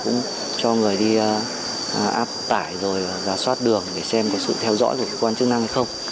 cũng cho người đi áp tải rồi giả soát đường để xem có sự theo dõi của cơ quan chức năng hay không